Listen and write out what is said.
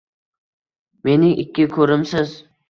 Mening ikki ko‘zimsiz.